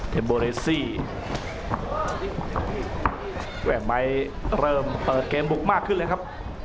โบเรซี่แม่ไม้เริ่มเปิดเกมบุกมากขึ้นเลยครับ